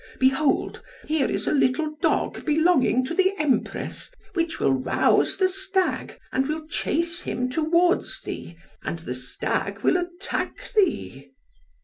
Behold, here is a little dog belonging to the Empress, which will rouse the stag, and will chase him towards thee, and the stag will attack thee."